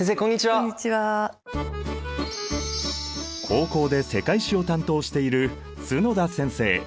高校で世界史を担当している角田先生。